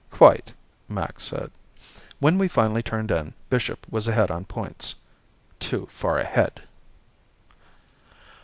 "Quite," Max said. When we finally turned in, Bishop was ahead on points. Too far ahead.